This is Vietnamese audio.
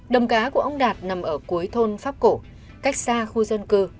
đồng cá của ông đạt nằm ở cuối thôn pháp cổ cách xa khu dân cư